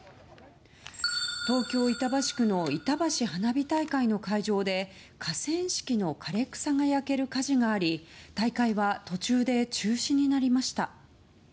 東京・板橋区のいたばし花火大会の会場で河川敷の枯れ草が焼ける火事があり大会は途中で中止になりました。